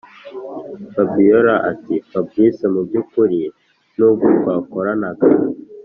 fabiora ati”fabric mubyukuri nubwo twakoranaga,